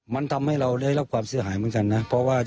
มันทำให้เราได้รับความเสียหายเหมือนกันนะเพราะว่า